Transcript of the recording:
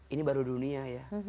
ini baru dunia ya